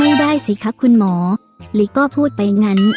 ไม่ได้สิคะคุณหมอหรือก็พูดไปงั้น